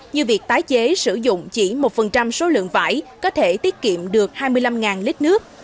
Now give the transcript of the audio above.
như việc tái chế sử dụng chỉ một số lượng vải có thể tiết kiệm được hai mươi năm lít nước